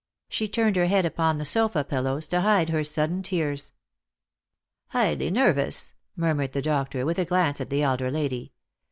She turned her head upon the sofa pillows to hide her sudden tears. "Highly nervous," murmured the doctor, with a glance at the elder lady.